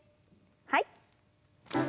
はい。